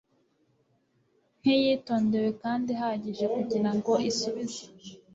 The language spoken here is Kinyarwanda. nk iyitondewe kandi ihagije kugira ngo isubize